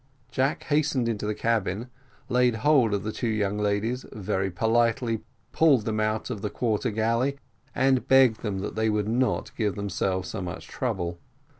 Jack hastened into the cabin, laid hold of the two young ladies, very politely pulled them out of the quarter gallery, and begged that they would not give themselves so much trouble.